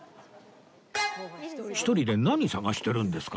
一人で何探してるんですか？